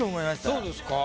そうですか？